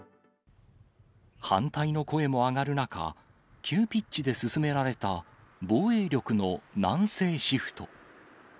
反対の声も上がる中、急ピッチで進められた防衛力の南西シフト。